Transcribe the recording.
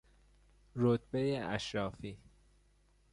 رتبهی اشرافی